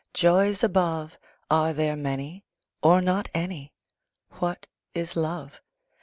Joys above, Are there many, or not any? What is Love?